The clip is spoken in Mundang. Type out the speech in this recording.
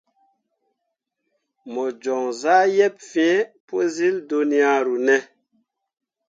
Mo joŋ zah yeb fee pǝ syil dunyaru ne ?